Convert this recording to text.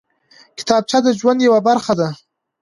کتابچه د ژوند یوه برخه ده